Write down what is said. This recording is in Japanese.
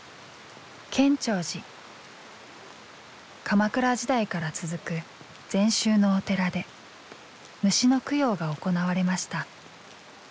鎌倉時代から続く禅宗のお寺で虫の供養が行われました。